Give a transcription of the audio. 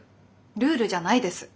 ルールじゃないです。